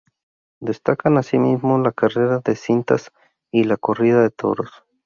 Destacan asimismo la Carrera de Cintas y la Corrida de Toros.